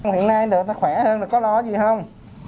hiện nay người ta khỏe hơn là có lo gì không